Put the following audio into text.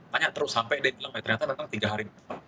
tanya terus sampai dia bilang ternyata ternyata tiga hari